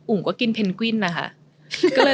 อุ๋งก็กินเพนกวินนะคะ